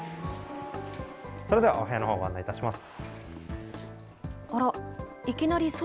それでは、お部屋のほう、ご案内いたします。